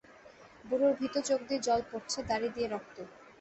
বুড়োর ভীত চোখ দিয়ে জল পড়ছে, দাড়ি দিয়ে রক্ত।